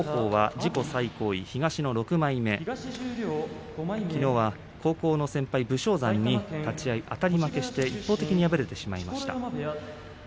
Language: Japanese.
自己最高位、東の６枚目きのうは高校の先輩、武将山に立ち合い、あたり負けして一方的に敗れました。